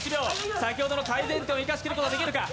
先程の改善点を生かすことができるか。